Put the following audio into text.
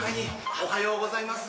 おはようございます。